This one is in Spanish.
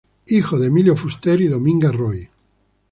Hijo de Emilio Fuster y Dominga Roy.